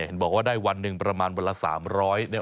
เห็นบอกว่าได้วันหนึ่งประมาณวันละ๓๐๐เนี่ย